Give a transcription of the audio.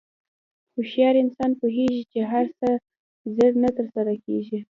هوښیار انسان پوهېږي چې هر څه زر نه تر لاسه کېږي.